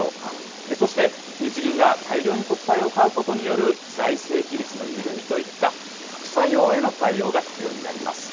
そして日銀が大量に国債を買うことによる財政規律の緩みといった、副作用への対応が必要になります。